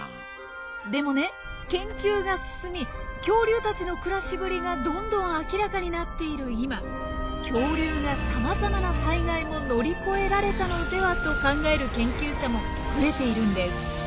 でもね研究が進み恐竜たちの暮らしぶりがどんどん明らかになっている今恐竜がさまざまな災害も乗り越えられたのではと考える研究者も増えているんです。